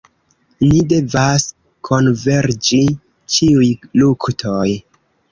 Ni devas konverĝi ĉiuj luktoj.